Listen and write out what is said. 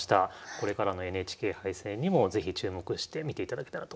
これからのＮＨＫ杯戦にも是非注目して見ていただけたらと思います。